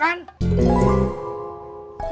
lu yang nyulik si amira kan